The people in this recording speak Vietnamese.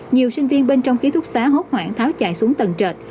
nhiều sinh viên bên trong ký thúc xá hốt hoảng tháo chạy xuống tầng trệt